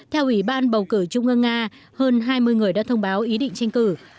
theo ủy ban bầu cử trung ương nga hơn hai mươi người đã thông báo ý định tranh cử